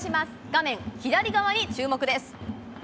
画面左側に注目です。